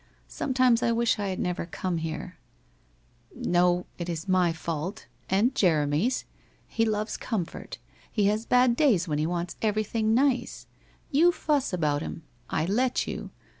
' Some times I wish I had never come here !'' No, it is my fault — and Jeremy's. He loves comfort. He has bad days when he wants everything nice ! You fuss about him. I let you.